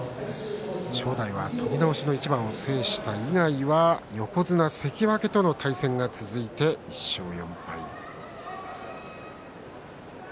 正代は取り直しの一番を制した以外は横綱関脇との対戦が続いて１勝４敗。